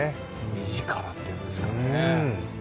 目力っていうんですかね。